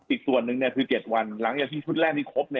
อีกส่วนหนึ่งคือ๗วันหลังจากที่ชุดแรกนี้ครบ